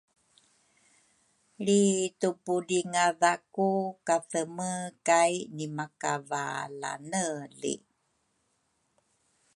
Lri tupudringadha ku katheme kay nimakavalane li